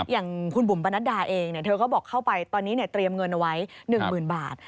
อย่างคุณบุ๋มปนัดดาเองเธอก็บอกเข้าไปตอนนี้เตรียมเงินเอาไว้๑๐๐๐บาท